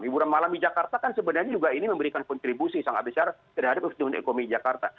hiburan malam di jakarta kan sebenarnya juga ini memberikan kontribusi sangat besar terhadap pertumbuhan ekonomi jakarta